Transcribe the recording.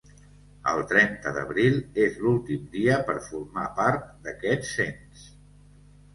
El trenta d'abril és l'últim dia per formar part d'aquest cens.